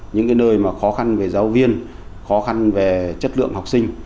những cái nơi mà khó khăn về giáo viên khó khăn về chất lượng học sinh